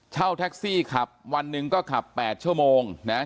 เช่าแท็กซี่ขับวันหนึ่งก็ขับ๘ชั่วโมงนะ